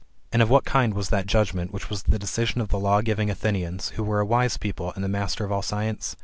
And of what kind was that judgment which was the decision of the law giving Athenians, who were a wise people, and the masters of all science?